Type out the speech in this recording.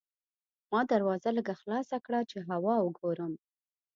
ما دروازه لږه خلاصه کړه چې هوا وګورم.